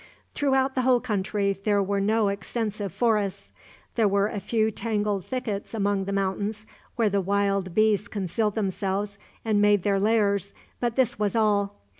Throughout the whole country there were no extensive forests. There were a few tangled thickets among the mountains, where the wild beasts concealed themselves and made their lairs, but this was all.